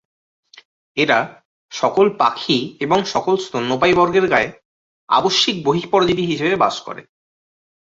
এরা সকল পাখি এবং সকল স্তন্যপায়ী বর্গের গায়ে 'আবশ্যিক-বহিঃপরজীবি' হিসেবে বাস করে।